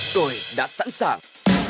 tôi đã sẵn sàng